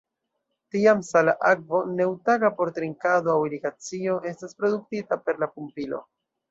Tiam sala akvo, netaŭga por trinkado aŭ irigacio, estas produktita per la pumpilo.